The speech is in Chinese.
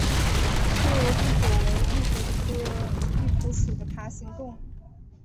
粗疣壁虎为壁虎科壁虎属的爬行动物。